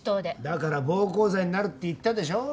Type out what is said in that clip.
だから暴行罪になるって言ったでしょ。